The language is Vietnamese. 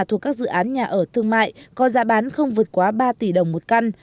thuộc các dự án nhà ở thương mại có giá bán không vượt quá ba tỷ đồng một căn